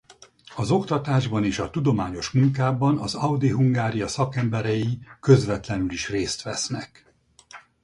Az oktatásban és a tudományos munkában az Audi Hungaria szakemberei közvetlenül is részt vesznek.